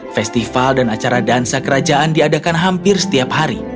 festival dan acara dansa kerajaan diadakan hampir setiap hari